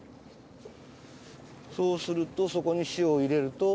そうするとそこに塩を入れると。